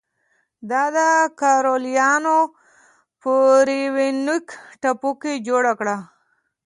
دا د کارولینا په ریونویک ټاپو کې جوړه کړه.